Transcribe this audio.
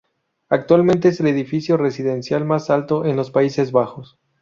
Actualmente es el edificio residencial más alto en los países Bajos.